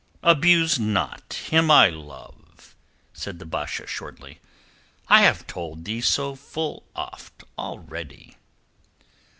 "Abuse not him I love," said the Basha shortly. "I have told thee so full oft already."